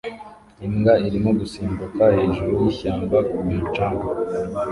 Imbwa irimo gusimbuka hejuru yishyamba ku mucanga